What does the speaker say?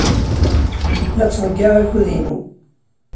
La ttḍeyyiɛeɣ akud-inu.